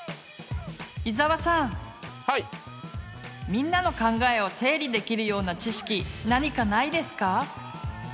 みんなの考えを整理できるような知識何かないですか？